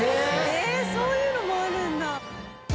えっそういうのもあるんだ。